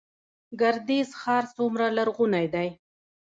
ګردیز ښار څومره لرغونی دی؟